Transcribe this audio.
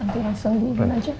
nanti langsung diinginkan aja